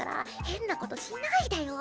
変なことしないでよ。